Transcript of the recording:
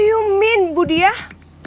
do you mean bu diah